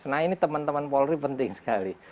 nah ini teman teman polri penting sekali